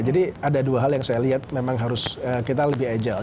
jadi ada dua hal yang saya lihat memang harus kita lebih agile